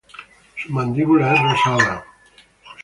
Su mandíbula es rosada.